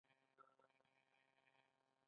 هغوی کولای شول دا ستونزه حل کړي.